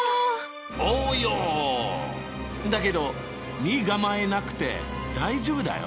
だけど身構えなくて大丈夫だよ。